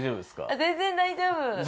全然大丈夫？